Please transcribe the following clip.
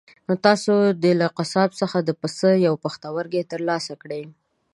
تاسو دې له قصاب څخه د پسه یو پښتورګی ترلاسه کړئ.